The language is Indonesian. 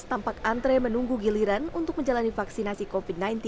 tampak antre menunggu giliran untuk menjalani vaksinasi covid sembilan belas